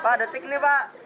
pak detik nih pak